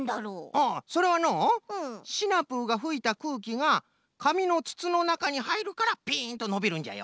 ああそれはのうシナプーがふいたくうきがかみのつつのなかにはいるからピンとのびるんじゃよ。